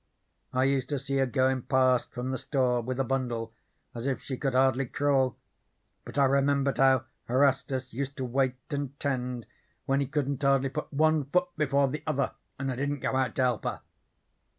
I used to see her goin' past from the store with a bundle as if she could hardly crawl, but I remembered how Erastus used to wait and 'tend when he couldn't hardly put one foot before the other, and I didn't go out to help her.